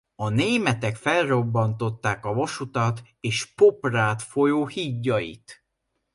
A németek felrobbantották a vasútat és Poprád folyó hídjait.